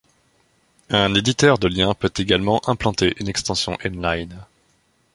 Un éditeur de liens peut également implanter une extension inline.